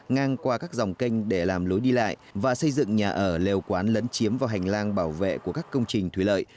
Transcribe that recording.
ngang qua các dòng kênh để làm lối đi lại và xây dựng nhà ở lều quán lấn chiếm vào hành lang bảo vệ của các công trình thủy lợi